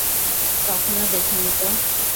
কখনো দেখিনি তো?